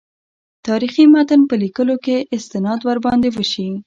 تاریخي متن په لیکلو کې استناد ورباندې وشي.